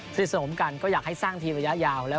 สนิทสนมกันก็อยากให้สร้างทีมระยะยาว